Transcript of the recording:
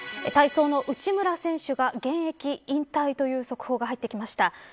体操の内村選手が現役引退という速報が入ってきました。